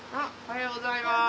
おはようございます。